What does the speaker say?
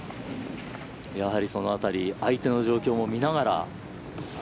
やはりその辺り相手の状況も見ながら。